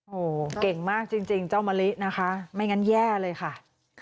โอ้โหเก่งมากจริงเจ้ามะลินะคะไม่งั้นแย่เลยค่ะ